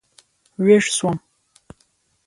وېښ شوم.